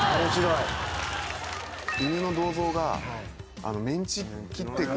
戌の銅像がメンチ切ってくる。